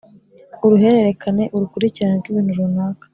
uruhererekane : urukurikirane rw’ibintu runaka.